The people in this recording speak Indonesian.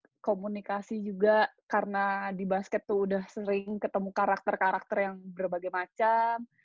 ada komunikasi juga karena di basket tuh udah sering ketemu karakter karakter yang berbagai macam